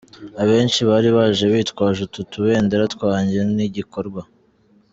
Abenshi bari baje bitwaje utu tubendera tujyanye n’igikorwa.